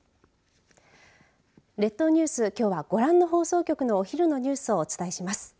列島ニュース、きょうはご覧の放送局のお昼のニュースをお伝えします